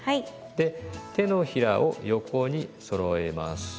で手のひらを横にそろえます。